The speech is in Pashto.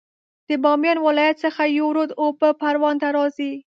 د بامیان ولایت څخه یو رود اوبه پروان ته راځي